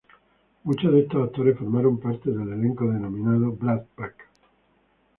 Muchos de estos actores formaron parte del elenco denominado Brat Pack.